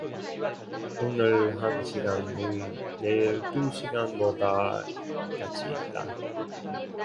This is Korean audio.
오늘 한 시간이 내일 두 시간 보다 가치있다